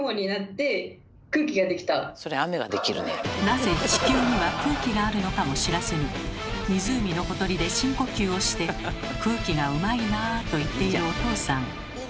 なぜ地球には空気があるのかも知らずに湖のほとりで深呼吸をして「空気がうまいな」と言っているおとうさん。